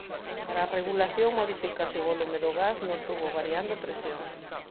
Para a regulación modifícase o volume do gas no tubo variando a presión.